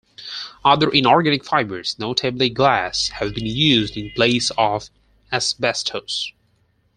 Other inorganic fibers, notably glass, have been used in place of asbestos.